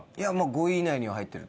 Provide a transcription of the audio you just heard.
５位以内には入ってる。